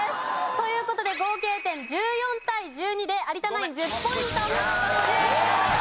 という事で合計点１４対１２で有田ナイン１０ポイント獲得です。